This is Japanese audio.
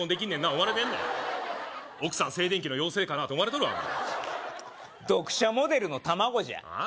思われてんで奥さん静電気の妖精かなと思われとるわ読者モデルの卵じゃはあ？